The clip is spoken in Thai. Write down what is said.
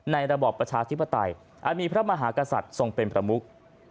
ระบอบประชาธิปไตยอาจมีพระมหากษัตริย์ทรงเป็นประมุก